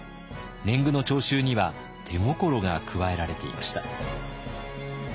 年貢の徴収には手心が加えられていました。